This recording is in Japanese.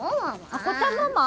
・亜子ちゃんママ？